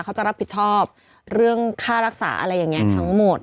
เขาจะรับผิดชอบเรื่องค่ารักษาอะไรอย่างนี้ทั้งหมด